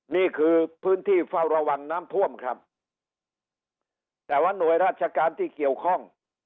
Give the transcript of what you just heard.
นี่คือพื้นที่เฝ้าระวังน้ำท่วมครับแต่ว่าหน่วยราชการที่เกี่ยวข้อง